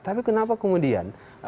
tapi kenapa kemudian